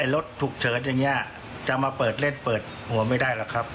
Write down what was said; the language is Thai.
รถฉุกเฉินอย่างนี้จะมาเปิดเล่นเปิดหัวไม่ได้หรอกครับ